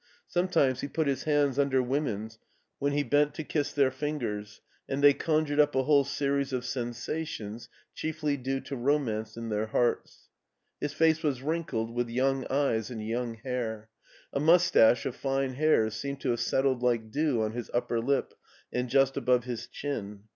Sometimes he put his hands under wo men's when he bent to kiss their fingers, and they conjured up a whole series of sensations, chiefly due to romance in their hearts. His face was wrinkled, with young eyes and young hair. A mustache of fine hairs seemed to have settled like dew on his up per lip and just above his chin.